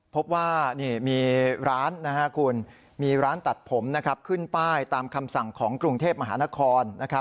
พบว่ามีร้านคุณมีร้านตัดผมขึ้นป้ายตามคำสั่งของกรุงเทพมหานคร